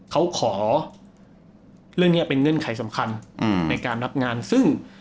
เขาขอเรื่องนี้เป็นเงื่อนไขสำคัญในการรับงานซึ่ง